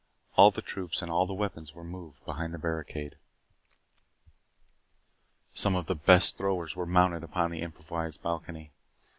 All the troops and all the weapons were moved behind the barricade. Some of the best throwers were mounted upon the improvised balcony.